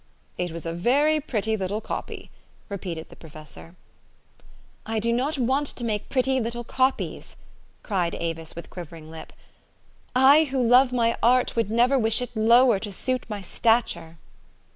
"It was a very pretty little copy," repeated the professor. " I do not want to make pretty little copies," cried Avis with quivering lip. u ' J who love my art would never wish it lower to suit my stature.'